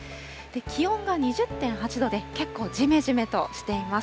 気温が２０．８度で、結構じめじめとしています。